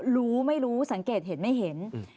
รู้ไม่รู้สังเกตเห็นไม่เห็น